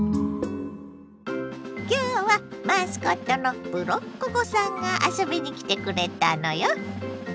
きょうはマスコットのブロッココさんが遊びに来てくれたのよ。